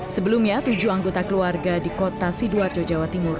sebelumnya tujuh anggota keluarga di kota sidoarjo jawa timur